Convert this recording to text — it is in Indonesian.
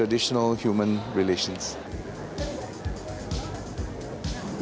hal digital dan hal manusia tradisional